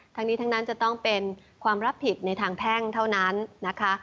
ทั้งนี้ทั้งนั้นจะต้องเป็นความรับผิดในทางแพ่งเท่านั้นนะคะ